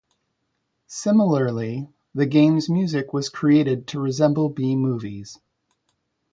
Similarly, the game's music was created to resemble B movies.